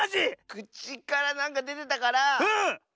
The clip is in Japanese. くちからなんかでてたからマジシャン？